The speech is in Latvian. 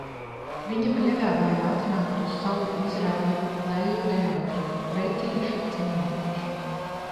Viņa piedāvāja atnākt uz savu izrādi Leļļu teātrī – "Vecīša cimdiņš".